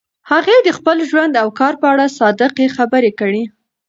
هغې د خپل ژوند او کار په اړه صادقې خبرې کړي.